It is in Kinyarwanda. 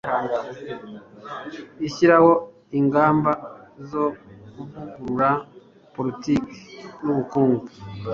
ishyiraho ingamba zo kuvugurura politiki n'ubukungu